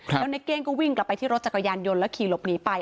แล้วในเก้งก็วิ่งกลับไปที่รถจักรยานยนต์แล้วขี่หลบหนีไป